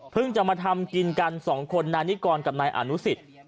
เพิ่งจะมาทำกินกันสองคนนายนิกรกับนายอานุสิต